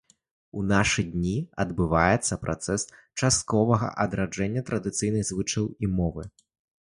У нашы дні адбываецца працэс частковага адраджэння традыцыйных звычаяў і мовы.